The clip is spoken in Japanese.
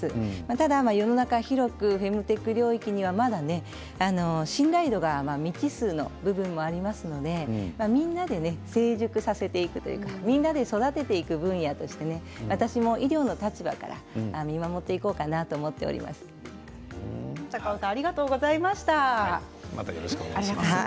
ただ世の中広くフェムテック領域にはまだ信頼度が未知数の部分もありますのでみんなで成熟させていくというかみんなで育てていく分野として私も医療の立場から見守っていこうかなと高尾さんありがとうございました。